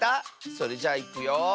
それじゃいくよ。